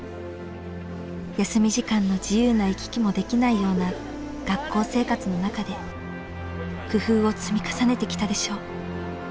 休み時間の自由な行き来もできないような学校生活の中で工夫を積み重ねてきたでしょう。